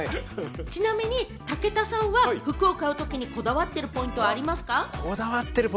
ちなみに武田さんは服を買うときにこだわってるポイントはありますか？